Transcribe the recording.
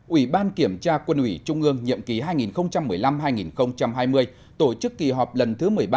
ủy ban kiểm tra quân ủy trung ương nhiệm ký hai nghìn một mươi năm hai nghìn hai mươi tổ chức kỳ họp lần thứ một mươi ba